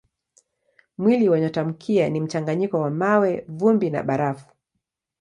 Mwili wa nyotamkia ni mchanganyiko wa mawe, vumbi na barafu.